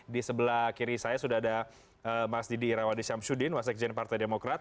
di sebelah kiri saya sudah ada mas didi irawadi syamsuddin wasekjen partai demokrat